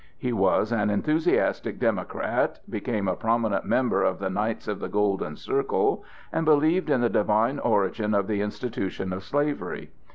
He was an enthusiastic Democrat, became a prominent member of the "Knights of the Golden Circle," and believed in the divine origin of the institution of slavery.